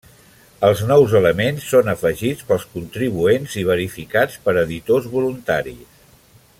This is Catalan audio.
Els nous elements són afegits pels contribuents i verificats per editors voluntaris.